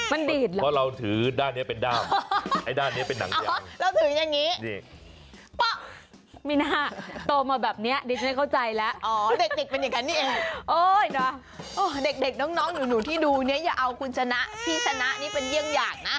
เพราะเราถือด้านนี้เป็นด้ามด้านนี้เป็นหนังอย่าง